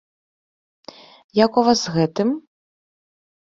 Як у вас з гэтым?